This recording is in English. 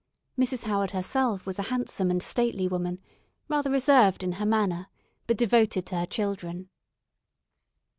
Mrs. Howard herself was a handsome and stately woman, rather reserved in her manner, but devoted to her children.